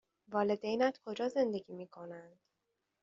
والدینت کجا زندگی می کنند؟